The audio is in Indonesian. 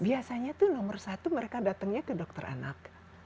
biasanya tuh nomor satu mereka datangnya ke dokter anak